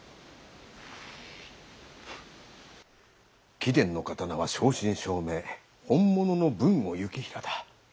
貴殿の刀は正真正銘本物の豊後行平だ。